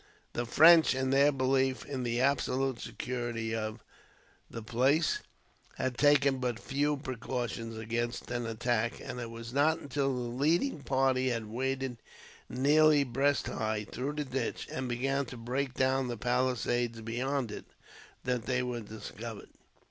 The French, in their belief in the absolute security of the place, had taken but few precautions against an attack; and it was not until the leading party had waded, nearly breast high, through the ditch; and began to break down the palisade beyond it, that they were discovered.